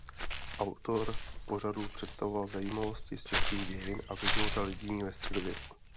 Autor v pořadu představoval zajímavosti z českých dějin a ze života lidí ve středověku.